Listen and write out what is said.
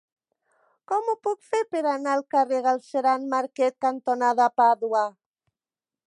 Com ho puc fer per anar al carrer Galceran Marquet cantonada Pàdua?